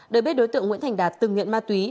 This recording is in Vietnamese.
đời bếp đối tượng nguyễn thành đạt từng nghiện ma túy